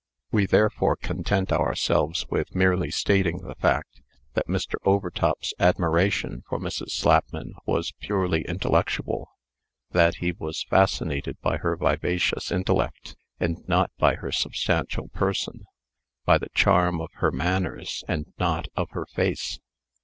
We therefore content ourselves with merely stating the fact, that Mr. Overtop's admiration for Mrs. Slapman was purely intellectual; that he was fascinated by her vivacious intellect, and not by her substantial person; by the charm of her manners, and not of her face.